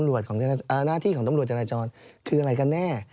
หน้าที่ของตำรวจจราจรคืออะไรกันแน่